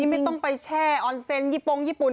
นี่ไม่ต้องไปแช่ออนเซ็นท์ยิปุ่งญี่ปุ่น